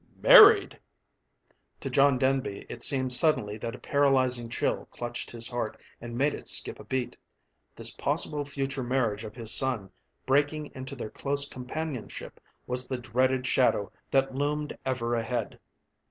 "Married!" To John Denby it seemed suddenly that a paralyzing chill clutched his heart and made it skip a beat. This possible future marriage of his son, breaking into their close companionship, was the dreaded shadow that loomed ever ahead.